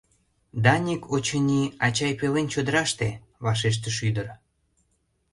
— Даник, очыни, ачай пелен чодыраште, — вашештыш ӱдыр